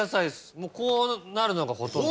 もうこうなるのがほとんど。